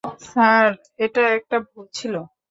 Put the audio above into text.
Sir, এটা একটা ভুল ছিল।